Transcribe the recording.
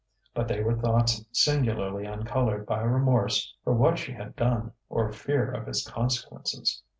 But they were thoughts singularly uncoloured by remorse for what she had done or fear of its consequences.